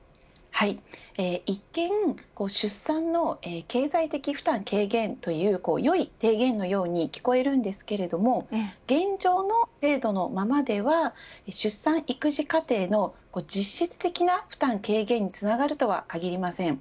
一見出産の経済的負担軽減というよい提言のように聞こえるんですが現状の制度のままでは出産育児過程の実質的な負担軽減につながるとは限りません。